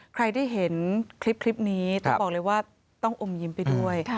ใครได้เห็นคลิปนี้ต้องบอกเลยว่าต้องอมยิ้มไปด้วย